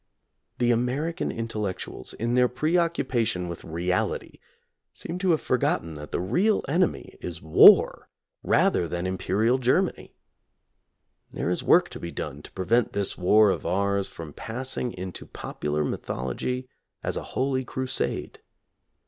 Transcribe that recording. The American intellectuals, in their preoccupation with reality, seem to have forgotten that the real enemy is War rather than imperial Germany. There is work to be done to prevent this war of ours from passing into popular mythology as a holy crusade.